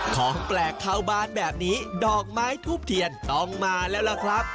ของแปลกเข้าบ้านแบบนี้ดอกไม้ทูบเทียนต้องมาแล้วล่ะครับ